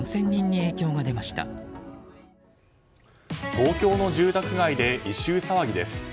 東京の住宅街で異臭騒ぎです。